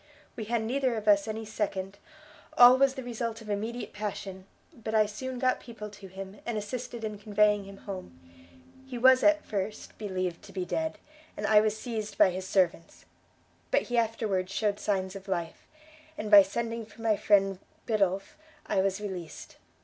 We had neither of us any second, all was the result of immediate passion; but I soon got people to him, and assisted in conveying him home. He was at, first believed to be dead, and I was seized by his servants; but he afterwards shewed signs of life, and by sending for my friend Biddulph, I was released.